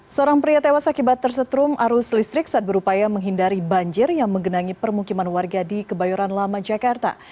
seorang pria tewas akibat tersetrum arus listrik saat berupaya menghindari banjir yang menggenangi permukiman warga di kebayoran lama jakarta